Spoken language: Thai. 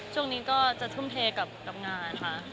ช่วงนี้ก็จะทุ่มเทกับงานค่ะ